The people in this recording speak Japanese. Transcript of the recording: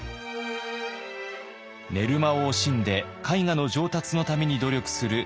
寝る間を惜しんで絵画の上達のために努力する崋山。